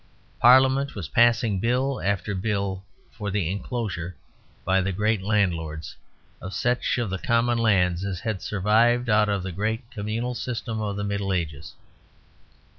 Parliament was passing bill after bill for the enclosure, by the great landlords, of such of the common lands as had survived out of the great communal system of the Middle Ages.